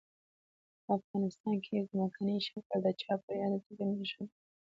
افغانستان کې ځمکنی شکل د چاپېریال د تغیر نښه ده.